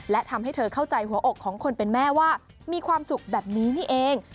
และทำให้เธอเข้าใจหัวอกของคนเป็นแม่ว่ามีความสุขแบบนี้นี่เอง